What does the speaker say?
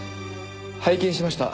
拝見しました。